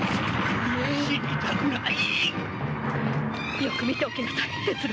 よく見ておきなさい、鉄郎。